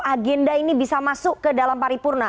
agenda ini bisa masuk ke dalam paripurna